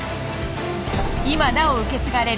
今なお受け継がれる